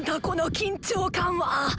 この緊張感は！